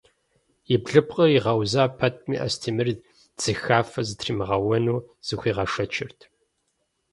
И блыпкъыр игъэуза пэтми, Астемыр дзыхафэ зытримыгъэуэну зыхуигъэшэчырт.